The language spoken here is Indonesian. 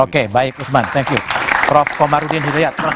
oke baik usman thank you prof komarudin hidayat